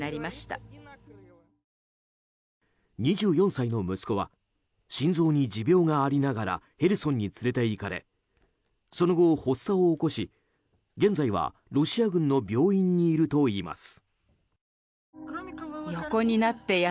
２４歳の息子は心臓に持病がありながらヘルソンに連れていかれその後、発作を起こし現在はロシア軍の病院にいるといいます。